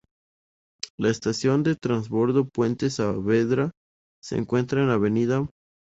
La Estación de trasbordo Puente Saavedra se encuentra en Av.